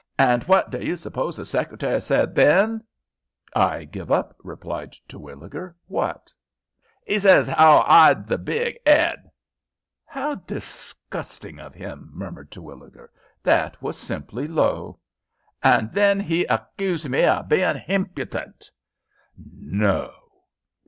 Hand what do you suppose the secretary said then?" "I give it up," replied Terwilliger. "What?" "'E said as 'ow h'I 'ad the big 'ead." "How disgusting of him!" murmured Terwilliger. "That was simply low." "Hand then 'e accuged me of bein' himpudent." "No!"